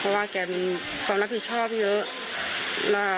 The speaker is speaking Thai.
เพราะว่าแกมีความรับผิดชอบเยอะ